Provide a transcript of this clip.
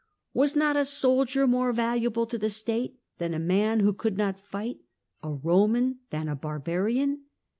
Was not a soldier more valuable to the state than a man who could not fight, a Roman than a barbarian